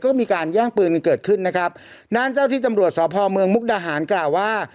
ก็มีการแย่งปืนกันเกิดขึ้นนะครับด้านเจ้าที่ตำรวจสพเมืองมุกดาหารกล่าวว่า